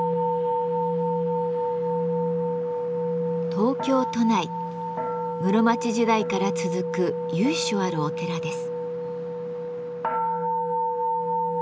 東京都内室町時代から続く由緒あるお寺です。